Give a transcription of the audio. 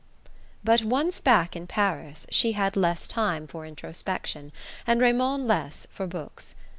But once back in Paris she had less time for introspection, and Raymond less for books.